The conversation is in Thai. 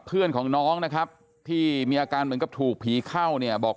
เพื่อนของน้องนะครับที่มีอาการเหมือนกับถูกผีเข้าเนี่ยบอก